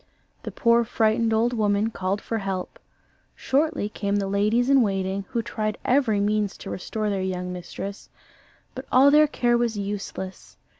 The poor frightened old woman called for help; shortly came the ladies in waiting, who tried every means to restore their young mistress, but all their care was useless.